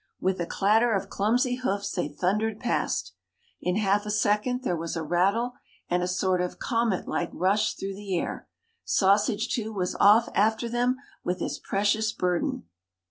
With a clatter of clumsy hoofs they thundered past. In half a second there was a rattle, and a sort of comet like rush through the air. Sausage II. was off after them with his precious burden.